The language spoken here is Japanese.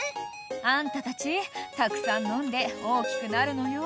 「あんたたちたくさん飲んで大きくなるのよ」